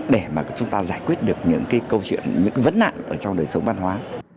để mà chúng ta giải quyết được những cái câu chuyện những cái vấn nạn ở trong đời sống văn hóa